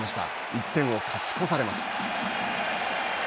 １点を勝ち越されます。